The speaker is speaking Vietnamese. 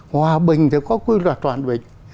hòa bình thì có quy luật toàn bình